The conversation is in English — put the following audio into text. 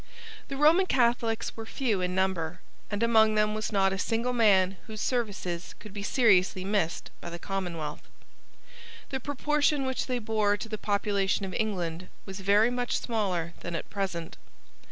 The Roman Catholics were few in number; and among them was not a single man whose services could be seriously missed by the commonwealth. The proportion which they bore to the population of England was very much smaller than at present.